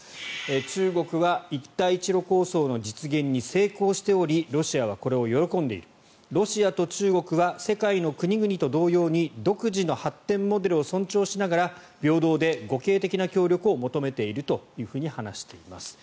中国は一帯一路構想の実現に成功しておりロシアはこれを喜んでいるロシアと中国は世界の国々と同様に独自の発展モデルを尊重しながら平等で互恵的な協力を求めていると話しています。